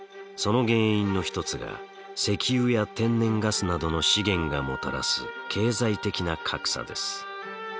その原因の一つが石油や天然ガスなどの資源がもたらす経済的な格差です。